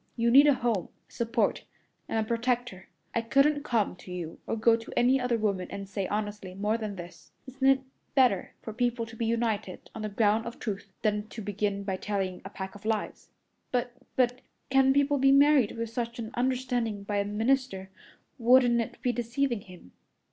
You need a home, a support, and a protector. I couldn't come to you or go to any other woman and say honestly more than this. Isn't it better for people to be united on the ground of truth than to begin by telling a pack of lies?" "But but can people be married with such an understanding by a minister? Wouldn't it be deceiving him?"